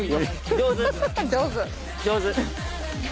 上手。